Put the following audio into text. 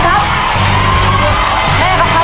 กะเพราเหลืออีกจานหนึ่งครับ